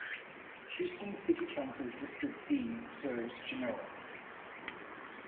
Houston City Council District E serves Genoa.